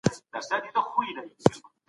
هغوی په خپله ژبه پرمختګ وکړ.